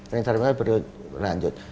range terakhir berikutnya berlanjut